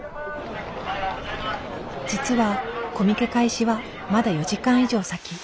実はコミケ開始はまだ４時間以上先。